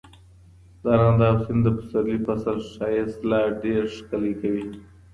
د ارغنداب سیند د پسرلي فصل ښایست لا ډېر ښکلی کوي.